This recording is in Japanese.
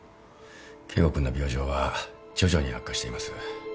圭吾君の病状は徐々に悪化しています。